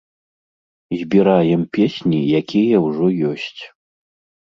Збіраем песні, якія ўжо ёсць.